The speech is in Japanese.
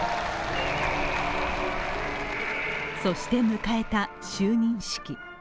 そして迎えた就任式。